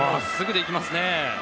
まっすぐでいきますね。